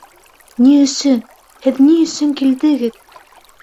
Ни өсөн? Һеҙ ни өсөн килдегеҙ?